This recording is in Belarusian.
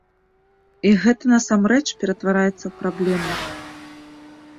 І гэта насамрэч ператвараецца ў праблему.